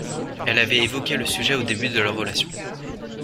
Elle avait évoqué le sujet au début de leur relation